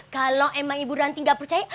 kalau emang ibu ranti gak percaya